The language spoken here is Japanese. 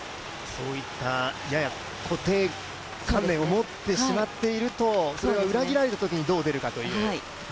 そういったやや固定観念を持ってしまっているとそれが裏切られたときにどう出るかという。